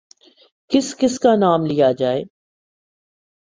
کس کس کا نام لیا جائے۔